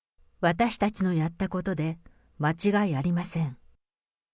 私たちのやったことで間違いありません。